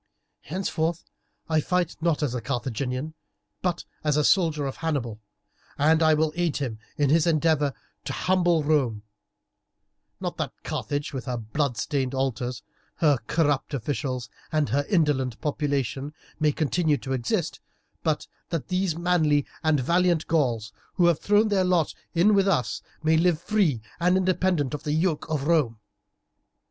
Henceforth, I fight not as a Carthaginian, but as a soldier of Hannibal, and will aid him in his endeavour to humble Rome; not that Carthage, with her blood stained altars, her corrupt officials, and her indolent population, may continue to exist, but that these manly and valiant Gauls who have thrown in their lot with us may live free and independent of the yoke of Rome.